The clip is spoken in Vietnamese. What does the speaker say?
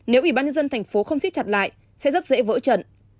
nếu ủy ban nhân dân thành phố không xiết chặt lại sẽ rất dễ vỡ trận